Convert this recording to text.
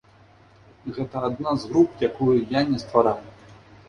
Гэта адна з груп, якую я не ствараў.